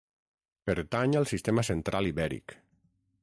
Pertany al sistema Central Ibèric.